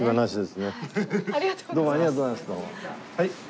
はい？